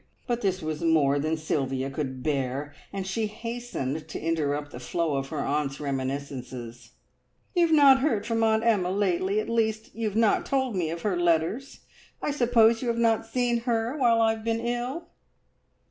But this was more than Sylvia could bear, and she hastened to interrupt the flow of her aunt's reminiscences. "You have not heard from Aunt Emma lately at least, you have not told me of her letters. I suppose you have not seen her while I have been ill?"